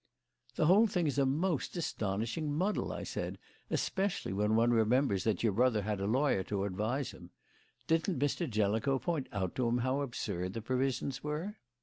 "The whole thing is a most astonishing muddle," I said, "especially when one remembers that your brother had a lawyer to advise him. Didn't Mr. Jellicoe point out to him how absurd the provisions were?"